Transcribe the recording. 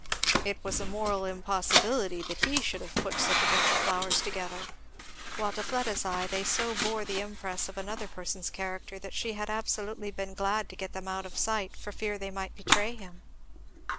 It was a moral impossibility that he should have put such a bunch of flowers together; while to Fleda's eye they so bore the impress of another person's character that she had absolutely been glad to get them out of sight for fear they might betray him.